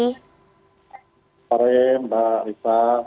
selamat sore mbak risa